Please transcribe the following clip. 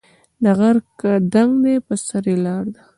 غر که دنګ دی په سر یې لار ده